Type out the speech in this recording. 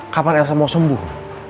kapan elsa mau sembuh